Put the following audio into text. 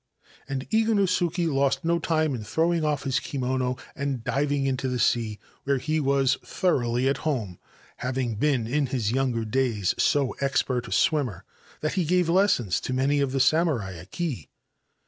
And Iganosuke lost no time in throw off his kimono and diving into the sea, where he thoroughly at home, having been in his younger day: expert a swimmer that he gave lessons to many of samurai at Kii.